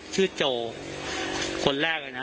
ชื่อโจคนแรกเลยนะ